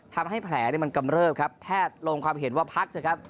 ทำให้แผลมันกำเริบครับแพทย์ลงความเห็นว่าพักเถอะครับ